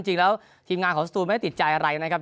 จริงแล้วทีมงานของสตูนไม่ได้ติดใจอะไรนะครับ